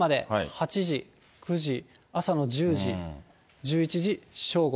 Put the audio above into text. ８時、９時、朝の１０時、１１時、正午。